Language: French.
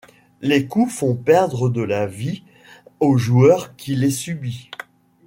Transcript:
Les coups font perdre de la vie au joueur qui les subit.